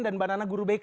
dan banana guru bk